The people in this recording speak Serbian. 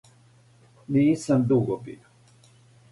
Нисам дуго био.